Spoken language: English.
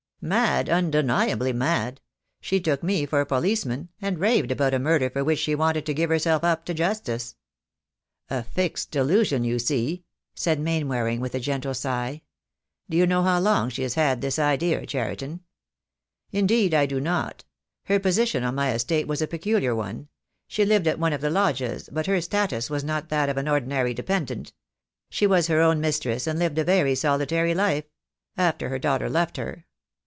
"Mad, undeniably mad. She took me for a police man, and raved about a murder for which she wanted to give herself up to justice." "A fixed delusion, you see," said Mainwaring, with a gentle sigh. "Do you know how long she has had this idea, Cheriton?" "Indeed, I do not. Her position on my estate was a peculiar one. She lived at one of the lodges, but her status was not that of an ordinary dependent. She was her own mistress, and lived a very solitary life — after her daughter left her.